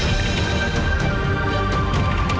selain mengkhawatirkan sekolah sekolah